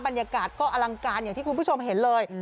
บรรยากาศก็อลังการอย่างที่คุณผู้ชมเห็นเลย